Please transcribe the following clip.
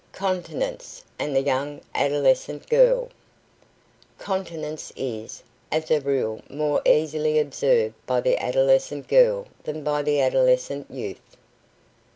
CONTINENCE AND THE YOUNG ADOLESCENT GIRL Continence is, as a rule more easily observed by the adolescent girl than by the adolescent youth.